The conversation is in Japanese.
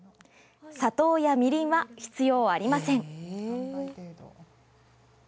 砂糖やみりんは必要ありません。